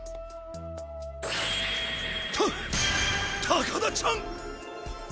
高田ちゃん！